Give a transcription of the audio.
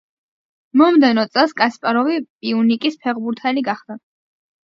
მომდევნო წელს კასპაროვი პიუნიკის ფეხბურთელი გახდა.